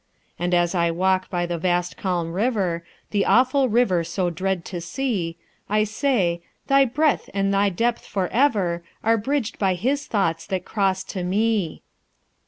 "And as I walk by the vast calm river, The awful river so dread to see, I say, 'Thy breadth and thy depth forever Are bridged by his thoughts that cross to me.'"